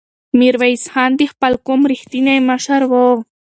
میرویس خان د خپل قوم رښتینی مشر و.